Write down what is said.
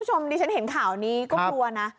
คุณผู้ชมดิฉันเห็นข่าวนี้ก็กลัวนะ